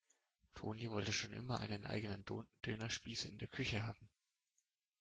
Toni wollte schon immer einen eigenen Dönerspieß in der Küche haben.